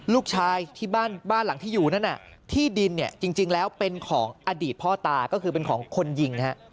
ลูกชายที่บ้านหลังที่อยู่นั่นที่ดินเนี่ยจริงแล้วเป็นของอดีตพ่อตาก็คือเป็นของคนยิง